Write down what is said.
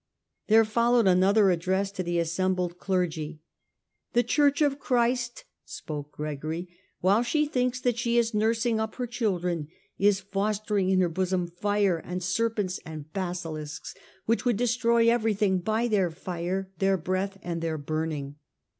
There followed another address to the assembled clergy. " The Church of Christ," spoke Gregory, " while she thinks that she is nursing up her children, is fostering in her bosom fire and serpents and basilisks, which would destroy everything by their fire, their breath and their burning.